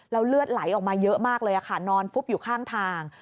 เลือดไหลออกมาเยอะมากเลยค่ะนอนฟุบอยู่ข้างทาง